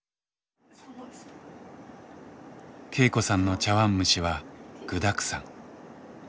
恵子さんの茶わん蒸しは具だくさん。